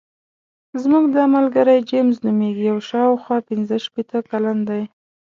زموږ دا ملګری جیمز نومېږي او شاوخوا پنځه شپېته کلن دی.